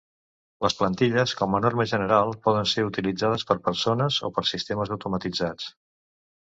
Les plantilles, com a norma general, poden ser utilitzades per persones o per sistemes automatitzats.